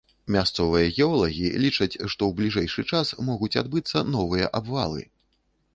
Мясцовыя геолагі лічаць, што ў бліжэйшы час могуць адбыцца новыя абвалы.